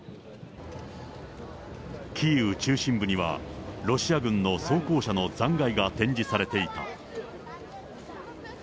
キーウ中心部には、ロシア軍の装甲車の残骸が展示されていた。